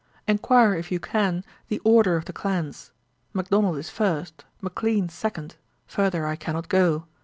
'Enquire, if you can, the order of the Clans: Macdonald is first, Maclean second; further I cannot go.